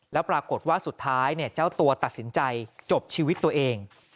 แล้วปรากฏว่าสุดท้ายเจ้าตัวตัดสินใจจบชีวิตตัวเอง